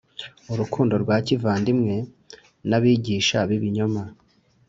Urukundo rwa kivandimwe n abigisha b ibinyoma